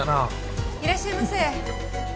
いらっしゃいませ。